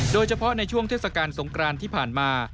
โดยเฉพาะในช่วงเทศกาลสงครานที่ผ่านมา